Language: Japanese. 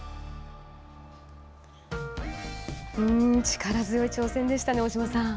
力強い挑戦でしたね、大嶋さん。